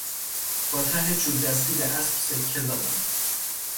با ته چوبدستی به اسب سکه زدم.